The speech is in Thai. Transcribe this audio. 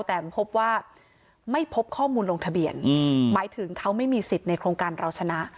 แต่พบว่าไม่พบข้อมูลลงทะเบียนหมายถึงเขาไม่มีสิทธิ์ในโครงการเราชนะ